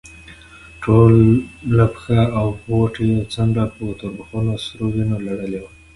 ټوله پښه او د بوټ يوه څنډه په توربخونو سرو وينو لړلې وه.